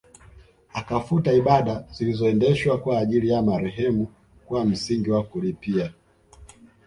Akafuta ibada zilizoendeshwa kwa ajili ya marehemu kwa msingi wa kulipia